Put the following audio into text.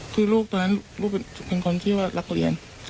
คือลูกตอนนั้นลูกเป็นคนที่ว่ารักเรียน